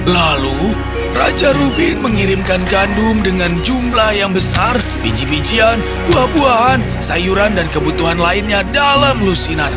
lalu raja rubin mengirimkan gandum dengan jumlah yang besar biji bijian buah buahan sayuran dan kebutuhan lainnya dalam lusinar